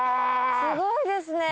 すごいですね。